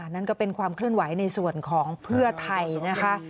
นั่นก็เป็นความเคลื่อนไหวในส่วนของเพื่อไทยนะคะ